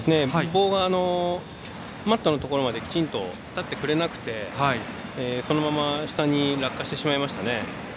棒がマットのところまできちんと、立ってくれなくてそのまま下に落下してしまいましたね。